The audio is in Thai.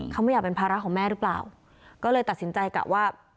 เขาไม่อยากเป็นภาระของแม่หรือเปล่าก็เลยตัดสินใจกะว่า